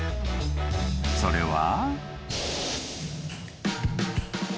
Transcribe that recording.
［それは］